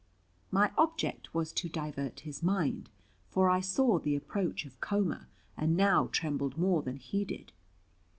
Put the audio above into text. My object was to divert his mind, for I saw the approach of coma, and now trembled more than he did.